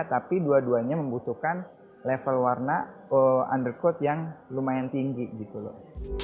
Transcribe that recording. tapi dua duanya membutuhkan level warna undercode yang lumayan tinggi gitu loh